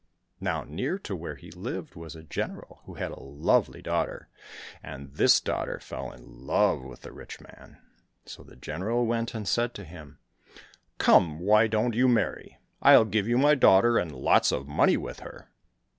Now near to where he lived was a General who had a lovely daughter, and this daughter fell in love with the rich man. So the General went and said to him, " Come, why don't you marry ? I'll give you my daughter and lots of money with her."